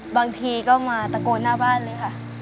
บางทีก็มาตะโกนหน้าบ้านเลยค่ะ